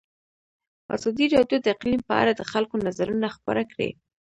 ازادي راډیو د اقلیم په اړه د خلکو نظرونه خپاره کړي.